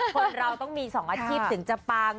คนเราต้องมี๒อาชีพถึงจะปัง